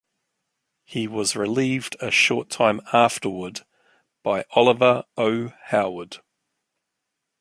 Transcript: He was relieved a short time afterward by Oliver O. Howard.